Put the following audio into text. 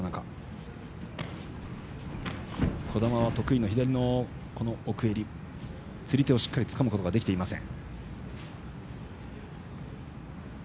児玉は得意の左の奥襟釣り手をしっかりつかむことができていません。